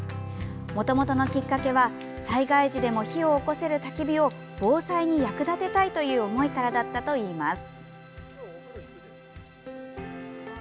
もともとのきっかけは災害時でも火をおこせるたき火を防災に役立てたいという思いからだったといいます。